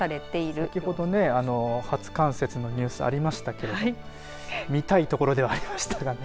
先ほど初冠雪のニュースがありましたけども見たいところではありましたがね。